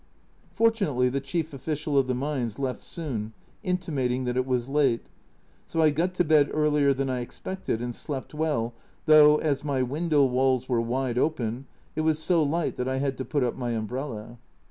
Fortunately the chief official of the mines left soon, intimating that it was late, so I got to bed earlier than I expected and slept well, though, as my window walls were wide open, it was so light that I had to put up my umbrella.